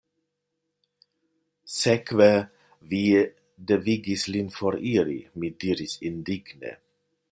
Sekve, vi devigis lin foriri, mi diris indigne.